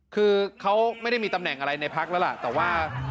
คือเขาไม่ได้มีตำแหน่งอะไรในภาร์กนี้ล่ะแล้วแต่ว่าอยู่